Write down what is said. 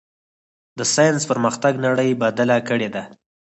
د ساینس پرمختګ نړۍ بدله کړې ده.